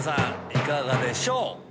いかがでしょう。